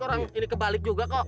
orang ini kebalik juga kok